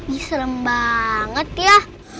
ih serem banget ya